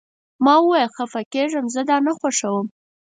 ما وویل: خفه کیږم، زه دا نه خوښوم.